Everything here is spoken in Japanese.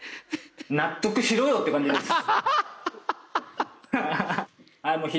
納得しろよ！って感じです。